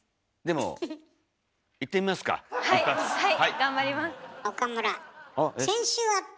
はい。